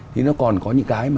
thì nó còn có những cái